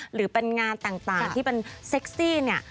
หรือเป็นงานต่างที่มันเซ็กซี่เนี่ย